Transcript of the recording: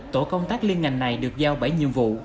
tổ công tác liên ngành này được giao bảy nhiệm vụ